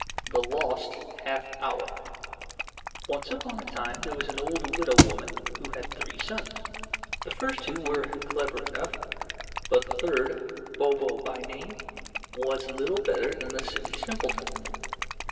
THE LOST HALF HOUR Once upon a time there was an old widow woman who had three sons: the first two were clever enough, but the third, Bobo by name, was little better than a silly simpleton.